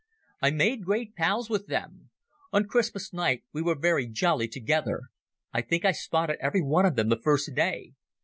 "I made great pals with them. On Christmas night we were very jolly together. I think I spotted every one of them the first day.